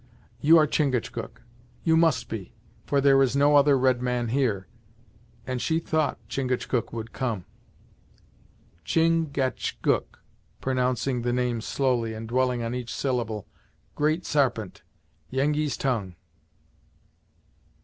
"You are Chingachgook you must be; for there is no other red man here, and she thought Chingachgook would come." "Chin gach gook," pronouncing the name slowly, and dwelling on each syllable "Great Sarpent, Yengeese tongue."